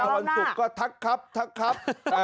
วันศุกร์ก็ทักครับทักครับ